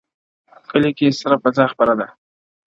کلي کي سړه فضا خپره ده,